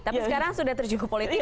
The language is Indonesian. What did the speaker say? tapi sekarang sudah terjun ke politik